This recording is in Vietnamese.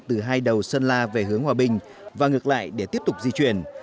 từ hai đầu sơn la về hướng hòa bình và ngược lại để tiếp tục di chuyển